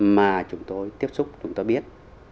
mà chúng tôi tiếp xúc chúng tôi biết